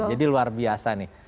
jadi luar biasa nih